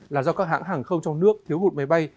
là do các hãng hàng không trong nước thiếu hụt máy bay